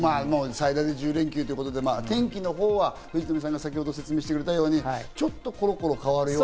でも最大１０連休ということで天気のほうは藤富さんが説明してくれたように、ちょっとコロコロ変わるよと。